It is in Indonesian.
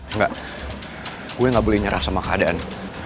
enggak gue gak boleh nyerah sama keadaan